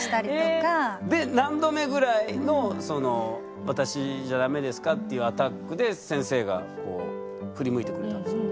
で何度目ぐらいのその私じゃだめですかっていうアタックで先生がこう振り向いてくれたんですか？